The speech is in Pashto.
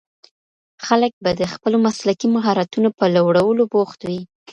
خلګ به د خپلو مسلکي مهارتونو په لوړولو بوخت وي.